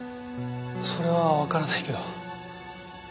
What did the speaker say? それはわからないけど。